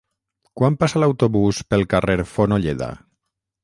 Quan passa l'autobús pel carrer Fonolleda?